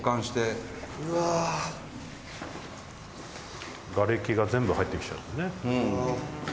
富澤：がれきが全部入ってきちゃってね。